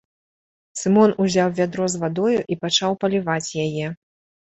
Сымон узяў вядро з вадою і пачаў паліваць яе.